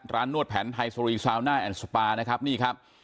นวดแผนไทยสรีซาวน่าแอนด์สปานะครับนี่ครับ